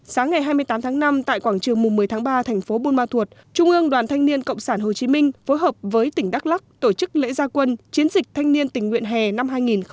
sáng ngày hai mươi tám tháng năm tại quảng trường mùng một mươi tháng ba thành phố buôn ma thuột trung ương đoàn thanh niên cộng sản hồ chí minh phối hợp với tỉnh đắk lắc tổ chức lễ gia quân chiến dịch thanh niên tình nguyện hè năm hai nghìn một mươi chín